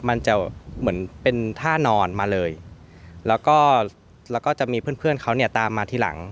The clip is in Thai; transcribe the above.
มันจะเหมือนเป็นท่านอนมาเลยแล้วก็จะมีเพื่อนเพื่อนเขาเนี่ยตามมาทีหลัง